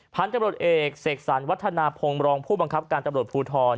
พันธุ์ตำรวจเอกเสกสรรวัฒนาพงศ์รองผู้บังคับการตำรวจภูทร